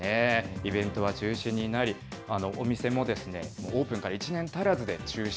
イベントは中止になり、お店もオープンから１年足らずで中止。